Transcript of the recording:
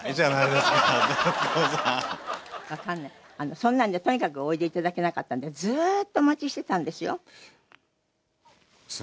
そんなんでとにかくおいで頂けなかったのでずーっとお待ちしてたんですよ。